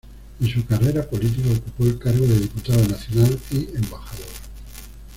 En su carrera política, ocupó el cargo de diputado nacional y embajador.